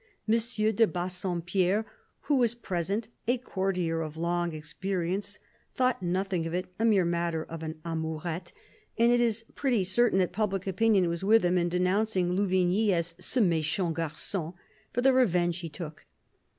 M. de Bassompierre, who was present, a courtier of long experience, thought nothing of it — a mere matter of an amourette — and it is pretty certain that public opinion was with him in denouncing Louvigny as " ce m^chant gargon " for the revenge he took.